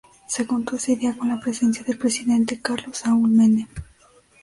Se contó ese día con la presencia del presidente Carlos Saúl Menem.